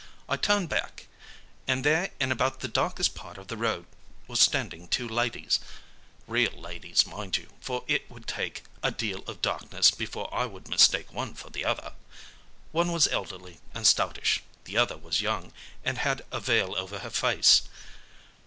I turned back, and there in about the darkest part of the road was standing two ladies real ladies, mind you, for it would take a deal of darkness before I would mistake one for the other. One was elderly and stoutish; the other was young, and had a veil over her face.